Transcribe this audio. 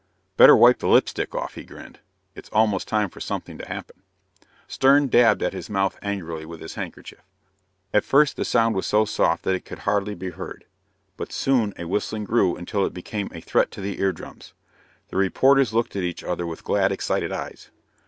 "Better wipe the lipstick off," he grinned. "It's almost time for something to happen." Stern dabbed at his mouth angrily with his handkerchief. At first the sound was so soft that it could hardly be heard, but soon a whistling grew until it became a threat to the eardrums. The reporters looked at each other with glad, excited eyes.